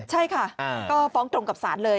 ใช่ค่ะก็ฟ้องตรงกับศาลเลย